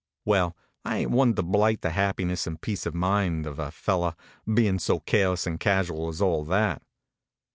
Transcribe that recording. Well, I ain t one to blight the happiness and peace of mind of a fellow being so careless and casual as all that.